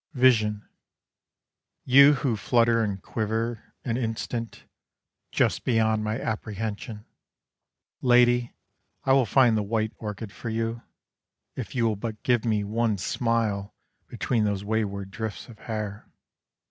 VISION You who flutter and quiver An instant Just beyond my apprehension; Lady, I will find the white orchid for you, If you will but give me One smile between those wayward drifts of hair.